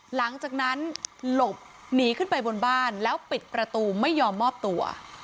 หลังจากนั้นหลบหนีขึ้นไปบนบ้านแล้วปิดประตูไม่ยอมมอบตัว